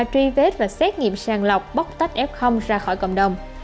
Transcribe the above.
truy vết và xét nghiệm sàng lọc bóc tách f ra khỏi cộng đồng